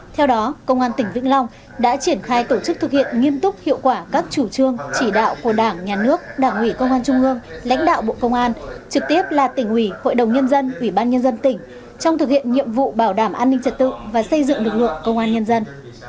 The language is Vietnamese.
theo đó công an tỉnh vĩnh long đã triển khai tổ chức thực hiện nghiêm túc hiệu quả các chủ trương chỉ đạo của đảng nhà nước đảng ủy công an trung ương lãnh đạo bộ công an trực tiếp là tỉnh ủy hội đồng nhân dân ủy ban nhân dân tỉnh trong thực hiện nhiệm vụ bảo đảm an ninh trật tự và xây dựng lực lượng công an nhân dân